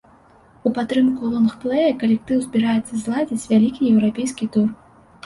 У падтрымку лонгплэя калектыў збіраецца зладзіць вялікі еўрапейскі тур.